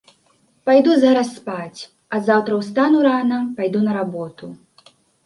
Пайду зараз спаць, а заўтра ўстану рана, пайду на работу.